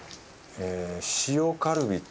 塩カルビと。